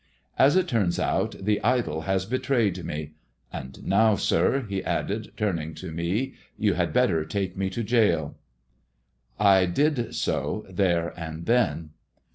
As it tui'ns out, the i has beti ayed me. And now, sir," he added, turning to i "you had better take me to gaol." I did so there and then.